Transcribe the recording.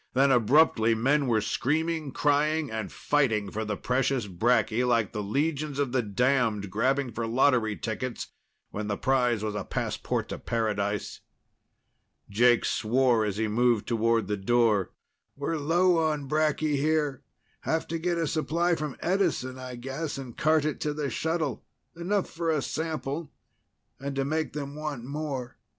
Then, abruptly, men were screaming, crying and fighting for the precious bracky, like the legions of the damned grabbing for lottery tickets when the prize was a passport to paradise. Jake swore as he moved toward the door. "We're low on bracky here. Have to get a supply from Edison, I guess, and cart it to the shuttle. Enough for a sample, and to make them want more.